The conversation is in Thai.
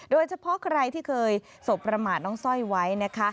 โดยเฉพาะใครที่เคยสบประมาทน้องสร้อยไว้นะคะ